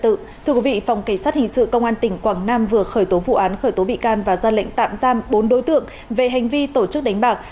thưa quý vị phòng cảnh sát hình sự công an tỉnh quảng nam vừa khởi tố vụ án khởi tố bị can và ra lệnh tạm giam bốn đối tượng về hành vi tổ chức đánh bạc